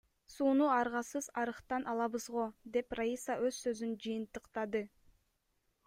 Сууну аргасыз арыктан алабыз го, — деп Раиса өз сөзүн жыйынтыктады.